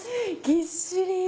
ぎっしり！